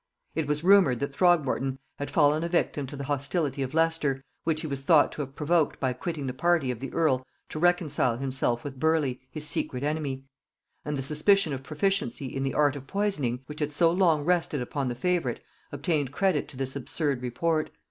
It was rumored that Throgmorton had fallen a victim to the hostility of Leicester, which he was thought to have provoked by quitting the party of the earl to reconcile himself with Burleigh, his secret enemy; and the suspicion of proficiency in the art of poisoning, which had so long rested upon the favorite, obtained credit to this absurd report.